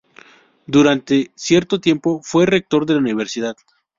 Durante cierto tiempo fue rector de la universidad.